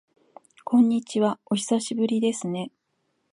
こんにちは、お久しぶりですね。